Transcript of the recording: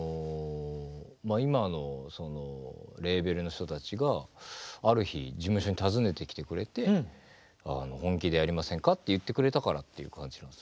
今のそのレーベルの人たちがある日事務所に訪ねてきてくれて「本気でやりませんか？」って言ってくれたからっていう感じです。